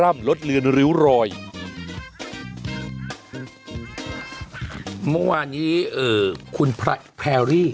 เมื่อวานี้คุณแพรรี่